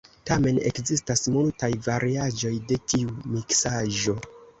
Tamen ekzistas multaj variaĵoj de tiu miksaĵo.